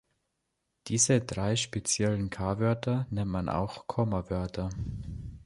Diese drei speziellen K-Wörter nennt man auch "Komma-Wörter".